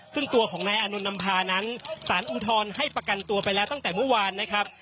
ซึ่งตัวของนายอานนท์นำพานั้นสารอุทธรณ์ให้ประกันตัวไปแล้วตั้งแต่เมื่อวานนะครับ